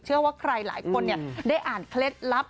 เชื่อว่าใครหลายคนได้อ่านเคล็ดลับ